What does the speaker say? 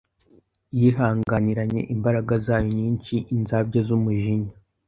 yihanganiranye imbaraga zayo nyinshi inzabya z’umujinya